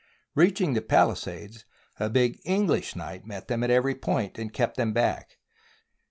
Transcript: Reaching the palisades, a big English knight met them at every point, and kept them back.